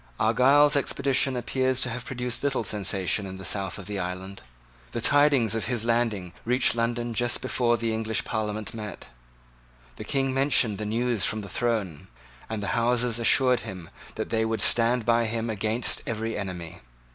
Argyle's expedition appears to have produced little sensation in the south of the island. The tidings of his landing reached London just before the English Parliament met. The King mentioned the news from the throne; and the Houses assured him that they would stand by him against every enemy.